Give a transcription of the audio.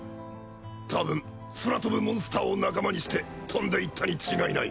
たぶん空飛ぶモンスターを仲間にして飛んでいったに違いない。